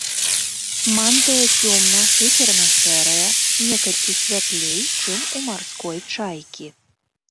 Мантыя цёмна шыферна-шэрая, некалькі святлей, чым у марской чайкі.